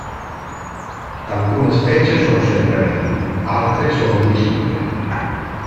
Alcune specie sono sempreverdi, altre sono decidue.